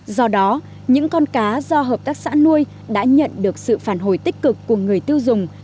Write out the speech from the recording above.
do đó những con cá do hợp tác xã nuôi đã nhận được sự phản hồi tích cực của người tiêu dùng